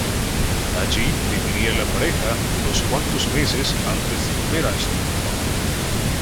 Allí viviría la pareja unos cuantos meses antes de volver a Estocolmo.